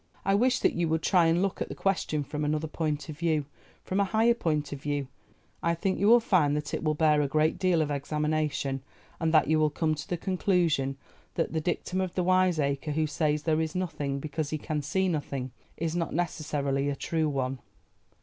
I wish that you would try and look at the question from another point of view—from a higher point of view. I think you will find that it will bear a great deal of examination, and that you will come to the conclusion that the dictum of the wise acre who says there is nothing because he can see nothing, is not necessarily a true one.